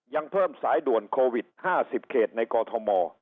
ยังเพิ่มสายด่วนโควิด๕๐เขตในกอทม